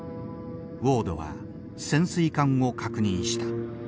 ウォードは潜水艦を確認した。